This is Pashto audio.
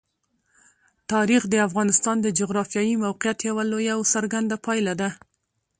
تاریخ د افغانستان د جغرافیایي موقیعت یوه لویه او څرګنده پایله ده.